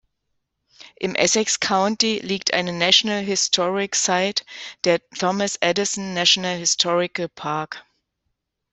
Im Essex County liegt eine National Historic Site, der Thomas Edison National Historical Park.